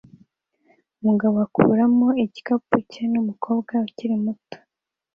Umugabo akuramo igikapu cye numukobwa ukiri muto